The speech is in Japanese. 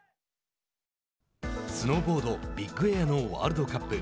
スノーボードビッグエアのワールドカップ。